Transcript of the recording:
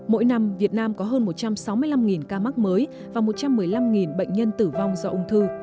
mỗi năm việt nam có hơn một trăm sáu mươi năm ca mắc mới và một trăm một mươi năm bệnh nhân tử vong do ung thư